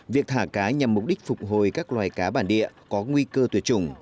việc thả cá nhằm mục đích phục hồi các loài cá bản địa có nguy cơ tuyệt chủng